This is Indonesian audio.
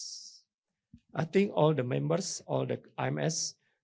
saya pikir semua anggota ims